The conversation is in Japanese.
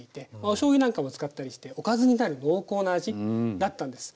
おしょうゆなんかも使ったりしておかずになる濃厚な味だったんです。